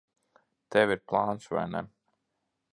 Tev ir plāns, vai ne?